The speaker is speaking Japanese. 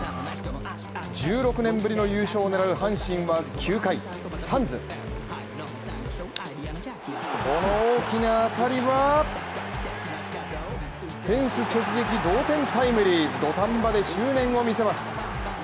１６年ぶりの優勝を狙う阪神は９回、サンズフェンス直撃の同点タイムリーと土壇場で執念を見せます。